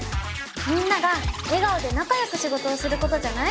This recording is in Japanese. みんなが笑顔で仲よく仕事をすることじゃない？